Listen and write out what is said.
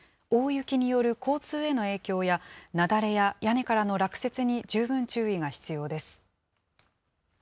大雪による交通への影響や、雪崩や屋根からの落雪に十分注意が必要です。